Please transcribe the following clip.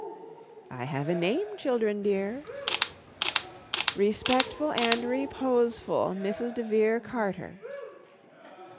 "I have a name, children dear." "Respectful and reposeful, Mrs. de Vere Carter."